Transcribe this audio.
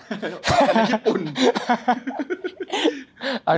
ภาษาในญี่ปุ่น